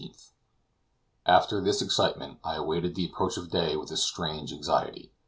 After this excitement I awaited the approach of day with a strange anxiety.